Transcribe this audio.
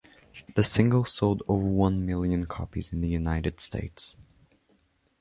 The single sold over one million copies in the United States.